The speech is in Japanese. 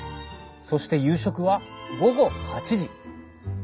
そして夕食は午後８時。